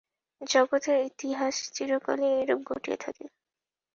জগতের ইতিহাসে চিরকালই এইরূপ ঘটিয়া থাকে।